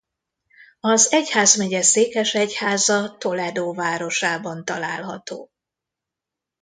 Az egyházmegye székesegyháza Toledo városában található.